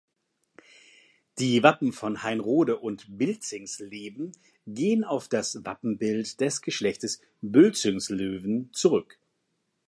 Die Wappen von Haynrode und Bilzingsleben gehen auf das Wappenbild des Geschlechts Bültzingslöwen zurück.